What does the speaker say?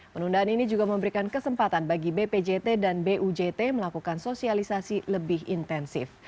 penundaan ini juga memberikan kesempatan bagi bpjt dan bujt melakukan sosialisasi lebih intensif